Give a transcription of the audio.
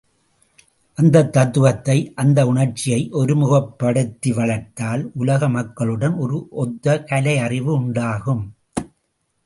அந்தத் தத்துவத்தை, அந்த உணர்ச்சியை ஒருமுகப் படுத்தி வளர்த்தால், உலக மக்களுடன் ஒரு ஒத்த கலையறிவு உண்டாகும்.